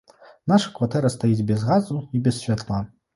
Наша кватэра стаіць без газу і без святла.